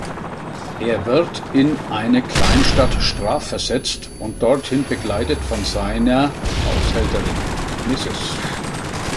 Er wird in eine Kleinstadt strafversetzt und dorthin begleitet von seiner Haushälterin Mrs.